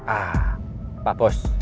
ah pak bos